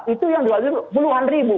itu yang dua ratus puluhan ribu